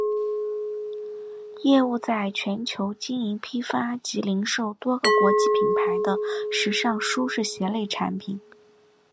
业务在全球经营批发及零售多个国际品牌的时尚舒适鞋类产品。